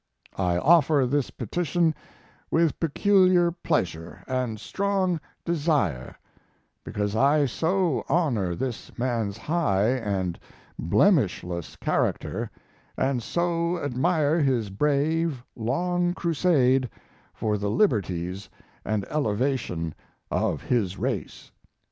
I offer this petition with peculiar pleasure and strong desire, because I so honor this man's high and blemishless character, and so admire his brave, long crusade for the liberties and elevation of his race.